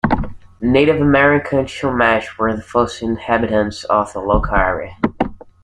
Native American Chumash were the first inhabitants of the local area.